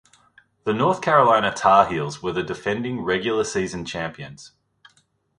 The North Carolina Tar Heels were the defending regular season champions.